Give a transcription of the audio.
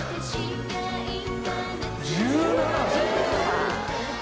１７！？